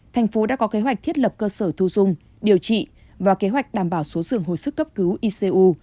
thành phố đã có kế hoạch thiết lập cơ sở thu dung điều trị và kế hoạch đảm bảo số dường hồi sức cấp cứu icu